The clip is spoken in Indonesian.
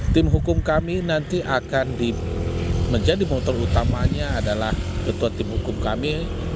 tim hukum kami nanti akan menjadi motor utamanya adalah ketua tim hukum kami